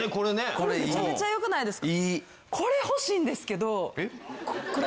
これめちゃめちゃ良くないですか？